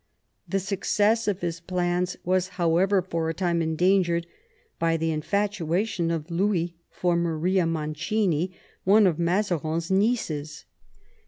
The success of his plans was, however, for a time endangered by the infatuation of Louis for Maria Mancini, one of Mazarin's nieces.